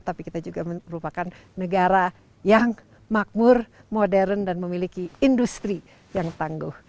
tapi kita juga merupakan negara yang makmur modern dan memiliki industri yang tangguh